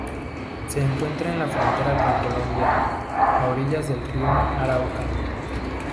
Se encuentra en la frontera con Colombia, a orillas del río Arauca.